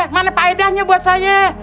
mana pahedahnya buat saya